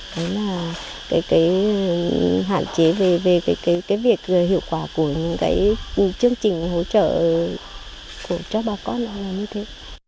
đấy là cái hạn chế về cái việc hiệu quả của những cái chương trình hỗ trợ cho bà con là như thế